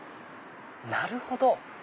なるほど。